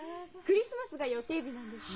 クリスマスが予定日なんです。